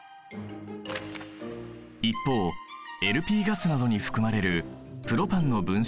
一方ＬＰガスなどに含まれるプロパンの分子量は４４。